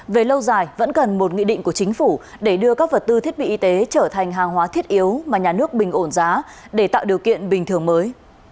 về lâu dài vẫn cần một nghị định của chính phủ để đưa các vật tư thiết bị y tế trở thành hàng hóa thiết yếu mà nhà nước bình ổn giá để tạo điều kiện bình thường mới